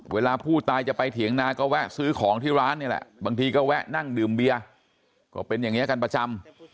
เวลาผู้ตายจะไปเถียงนาก็แวะซื้อของที่ร้านนี่แหละบางทีก็แวะนั่งดื่มเบียร์ก็เป็นอย่างนี้กันประจำ